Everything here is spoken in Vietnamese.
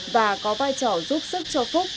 và có vai trò giúp sức cho phúc